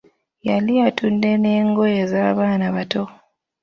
Yali atunda n'engoye z'abaana abato.